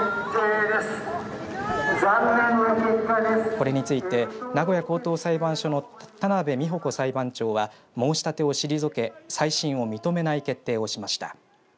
これについて名古屋高等裁判所の田邊三保子裁判長は申し立てを退け再審を認めない決定をしました。